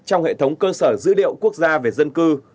trong hệ thống cơ sở dữ liệu quốc gia về dân cư